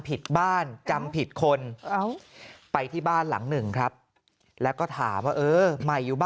ผิดบ้านจำผิดคนไปที่บ้านหลังหนึ่งครับแล้วก็ถามว่าเออใหม่อยู่บ้าน